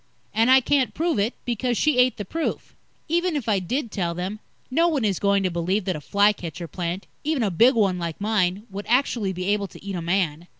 And I can't prove it, because she ate the proof. Even if I did tell them, no one is going to believe that a fly catcher plant even a big one like mine would actually be able to eat a man.